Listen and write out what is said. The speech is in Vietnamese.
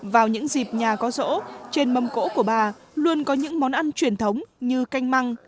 vào những dịp nhà có rỗ trên mâm cỗ của bà luôn có những món ăn truyền thống như canh măng